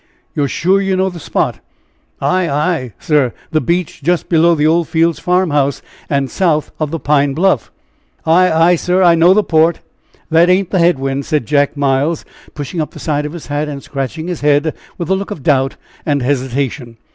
"You are sure you know the spot?" "Ay, ay? sir the beach just below the Old Fields farmhouse." "And south of the Pine Bluff." "Ay, ay, sir. I know the port that ain't the head wind!" said Jack Miles, pushing up the side of his hat, and scratching his head with a look of doubt and hesitation.